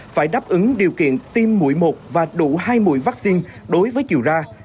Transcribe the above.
tiêm mũi một và đủ hai mũi vaccine đối với chiều ra